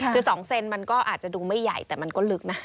คือ๒เซนมันก็อาจจะดูไม่ใหญ่แต่มันก็ลึกนะ